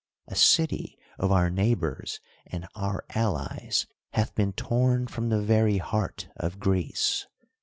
A city of our neighbors and our allies hath been torn from the very heart of Greece.